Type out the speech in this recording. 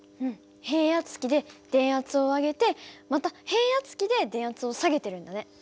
変圧器で電圧を上げてまた変圧器で電圧を下げてるんだね。